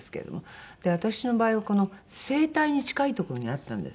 私の場合はこの声帯に近い所にあったんです。